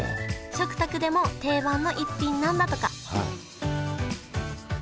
食卓でも定番の一品なんだとかはい。